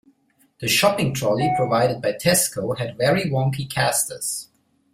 The shopping trolley provided by Tesco had very wonky casters